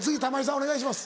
お願いします。